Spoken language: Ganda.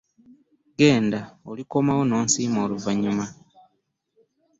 Genda, olikomawo n'osiima Oluvannyuma.